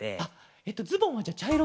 えっとズボンはじゃあちゃいろ。